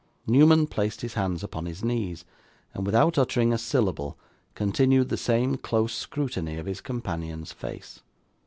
Newman placed his hands upon his knees, and, without uttering a syllable, continued the same close scrutiny of his companion's face.